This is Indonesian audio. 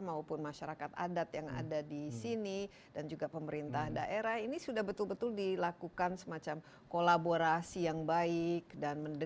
bapak presiden apakah itu sudah diperbaiki